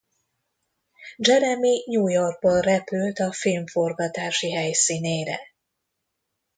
Jeremy New Yorkból repült a film forgatási helyszínére.